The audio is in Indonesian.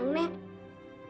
dimo suka seneng nek